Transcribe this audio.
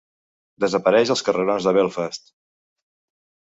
Desapareix als carrerons de Belfast.